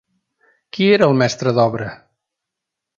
Qui era el mestre d'obra?